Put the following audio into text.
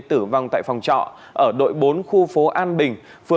tử vong tại phòng trọ ở đội bốn khu phố an bình